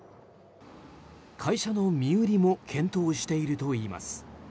会社の身売りも検討しているといいます。